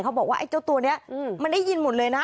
บอกว่าไอ้เจ้าตัวนี้มันได้ยินหมดเลยนะ